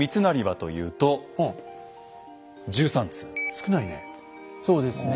少ないね。